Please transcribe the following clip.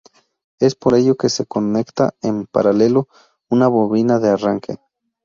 Es por ello que se conecta en paralelo una bobina de arranque.